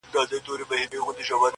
دا نعمت خو د ګیدړ دی چي یې وخوري.!